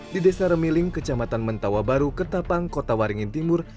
di desa remiling kecamatan mentawa baru ketapang kota waringin timur